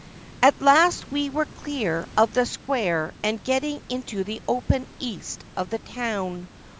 At last we were clear of the square and getting into the open east of the town.